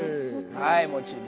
はい。